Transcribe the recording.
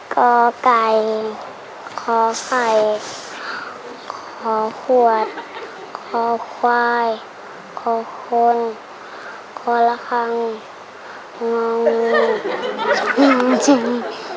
กอไก่คอไก่คอหัวคอควายคอคนคอละครั้งงง